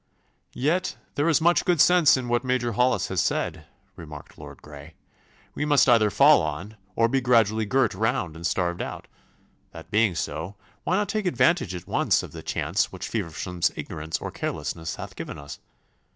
'Yet there is much good sense in what Major Hollis has said,' remarked Lord Grey. 'We must either fall on, or be gradually girt round and starved out. That being so, why not take advantage at once of the chance which Feversham's ignorance or carelessness hath given us?